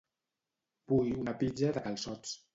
Vull una pizza de calçots